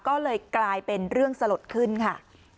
ก็เลยกลายเป็นเรื่องสลดขึ้นค่ะ